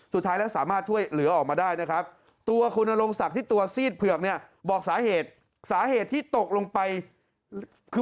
สุดท้ายสามารถช่วยเหลือออกมาได้ครับตัวคุณโรงศักดิ์ที่ตัวซีดเผือกบอกสาเหตุ